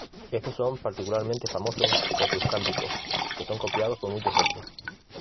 Estos son particularmente famosos por sus cánticos, que son copiados por muchos otros.